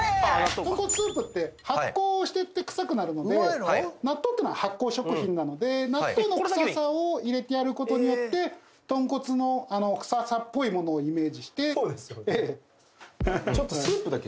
豚骨スープって発酵してって臭くなるので納豆っていうのは発酵食品なので納豆の臭さを入れてやることによって豚骨のあの臭さっぽいものをイメージしてそうですよねええ